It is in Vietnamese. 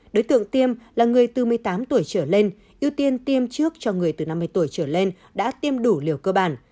đối tượng tiêm là người từ một mươi tám tuổi trở lên ưu tiên tiêm trước cho người từ năm mươi tuổi trở lên đã tiêm đủ liều cơ bản